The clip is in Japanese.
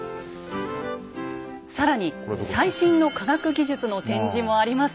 更に最新の科学技術の展示もあります。